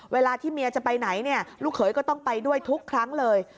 เวลาที่เมียจะไปไหนเนี่ยลูกเขยก็ต้องไปด้วยทุกครั้งเลย